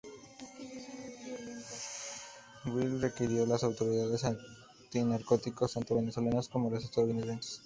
Walid fue requerido por las autoridades antinarcóticos tanto venezolanas como las estadounidenses.